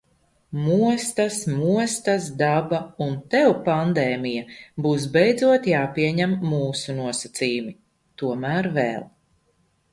Mostas, mostas daba, un tev, pandēmija, būs beidzot jāpieņem mūsu nosacījumi. Tomēr vēl.